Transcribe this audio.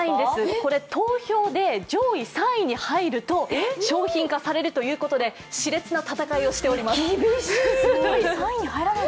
これ投票で上位３位に入ると商品化されるということで、しれつな戦いをしております。